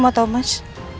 kamu mau tahu mas